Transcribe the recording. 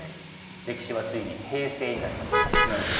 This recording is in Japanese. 歴史はついに平成になりまして。